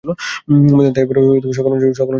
মদীনা তাইয়্যেবার সকল অঞ্চলকে আলোকিত করে তুলল।